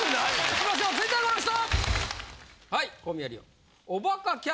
いきましょう続いてはこの人！